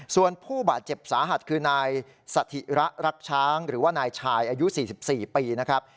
ส่วนผู้บาดเจ็บสาหัสคือนายสถิระรักช้างหรือว่านายชายอายุ๔๔ปีนะครับ